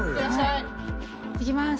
いってきます。